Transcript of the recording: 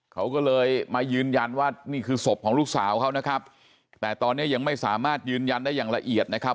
เขาก็เลยมายืนยันว่านี่คือศพของลูกสาวเขานะครับแต่ตอนนี้ยังไม่สามารถยืนยันได้อย่างละเอียดนะครับ